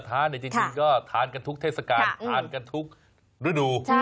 หมูกระทะในจริงก็ทานกันทุกเทศกาลทานกันทุกฤดู